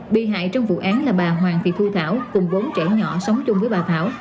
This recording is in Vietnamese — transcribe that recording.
bị hại trong vụ án là bà hoàng thị thu thảo cùng bốn trẻ nhỏ sống chung với bà thảo